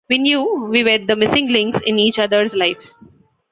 We knew we were the missing links in each other's lives.